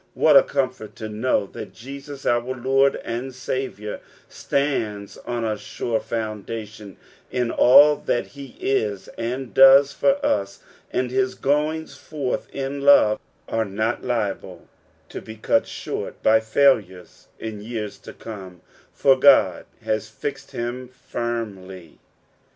What n comfort to know that Jesus our Lord and Saviour stands on a sure foundation in all that he is and does for us, and his goings forth in love are not liable to be cut short by failure in years to come, for Qod has fixed him finniy.